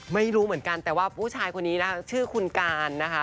ไม่รู้เหมือนกันแต่ว่าผู้ชายคนนี้นะคะชื่อคุณการนะคะ